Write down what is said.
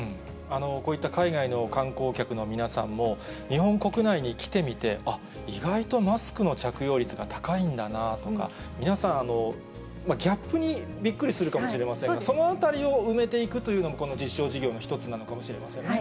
こういった海外の観光客の皆さんも、日本国内に来てみて、あっ、意外とマスクの着用率が高いんだなとか、皆さん、ギャップにびっくりするかもしれませんが、そのあたりを埋めていくというのも、この実証事業の一つかもしれませんね。